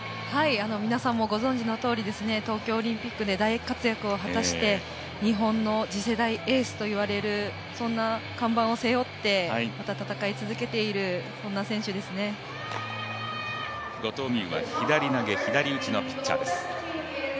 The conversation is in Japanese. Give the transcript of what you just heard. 皆さんもご存じのとおり東京オリンピックで大活躍を果たして日本の、次世代エースといわれるそんな看板を背負って後藤希友は左投げ左打ちのピッチャー。